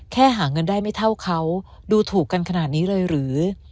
หาเงินได้ไม่เท่าเขาดูถูกกันขนาดนี้เลยหรือ